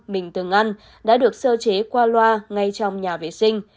mình từng ăn đã được sơ chế qua loa ngay trong nhà vệ sinh